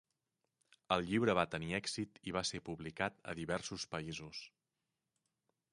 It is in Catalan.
El llibre va tenir èxit i va ser publicat a diversos països.